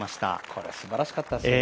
これ、すばらしかったですね